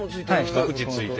１口ついて。